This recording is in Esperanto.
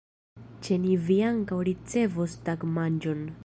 Ĉe ni vi ankaŭ ricevos tagmanĝon.